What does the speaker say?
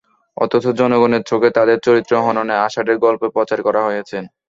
অথচ জনগণের চোখে তাঁদের চরিত্র হননে আষাঢ়ে গল্প প্রচার করা হয়েছে।